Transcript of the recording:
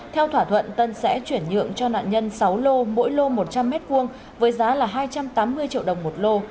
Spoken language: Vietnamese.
theo thỏa thuận tân sẽ chuyển nhượng cho nạn nhân sáu lô mỗi lô một trăm linh m hai với giá là hai trăm tám mươi triệu đồng một lô